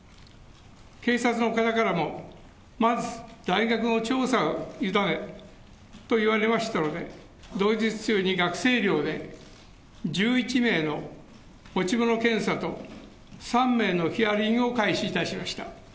警察の方からも、まず大学に調査を委ねると言われましたので、同日中に学生寮で１１名の持ち物検査と３名のヒアリングを開始いたしました。